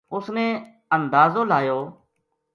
اس نے اندازو لایو